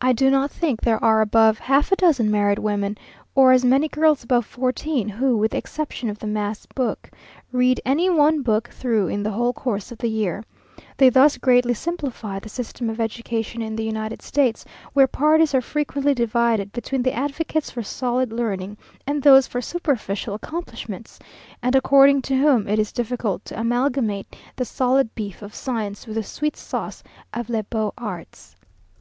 I do not think there are above half a dozen married women, or as many girls above fourteen, who, with the exception of the mass book, read any one book through in the whole course of the year. They thus greatly simplify the system of education in the United States, where parties are frequently divided between the advocates for solid learning and those for superficial accomplishments; and according to whom it is difficult to amalgamate the solid beef of science with the sweet sauce of les beaux arts.